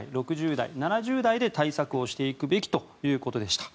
５０代、６０代７０代で対策をしていくべきということでした。